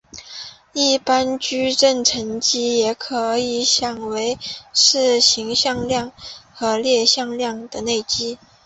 一般矩阵乘积也可以想为是行向量和列向量的内积。